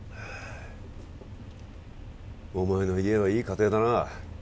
お前の家はいい家庭だな